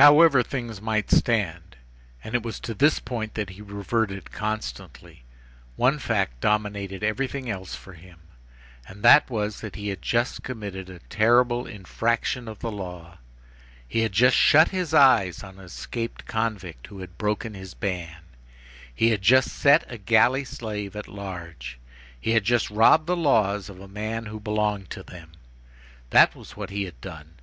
However things might stand,—and it was to this point that he reverted constantly,—one fact dominated everything else for him, and that was, that he had just committed a terrible infraction of the law. He had just shut his eyes on an escaped convict who had broken his ban. He had just set a galley slave at large. He had just robbed the laws of a man who belonged to them. That was what he had done.